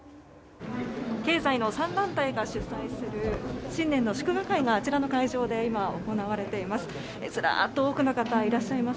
経済の３団体が主催する新年の祝賀会があちらの会場で今、行われています。